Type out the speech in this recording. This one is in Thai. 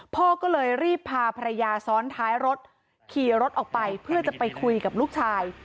พ่อก็เลยรีบพาภรรยาซ้อนท้ายรถขี่รถออกไปเพื่อจะไปคุยกับลูกชาย